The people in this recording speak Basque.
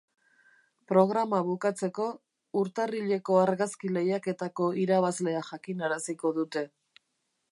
Programa bukatzeko, urtarrileko argazki-lehiaketako irabazlea jakinaraziko dute.